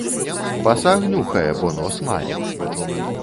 Пасаг нюхае, бо нос мае.